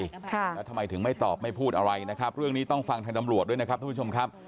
แล้วทำไมถึงไม่ตอบไม่พูดอะไรนะครับเรื่องนี้ต้องฟังทางตำรวจด้วยนะครับทุกผู้ชมครับ